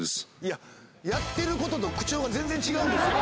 やってることと口調が全然違うんですよ